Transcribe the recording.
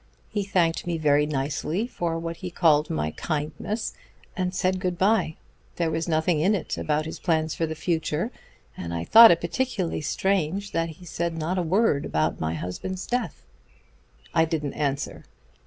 He thanked me very nicely for what he called all my kindness, and said good by. There was nothing in it about his plans for the future, and I thought it particularly strange that he said not a word about my husband's death. I didn't answer.